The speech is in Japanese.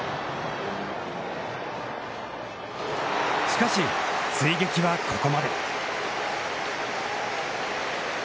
しかし、追撃はここまで。